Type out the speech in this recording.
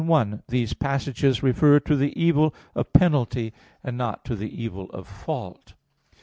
1: These passages refer to the evil of penalty, and not to the evil of fault.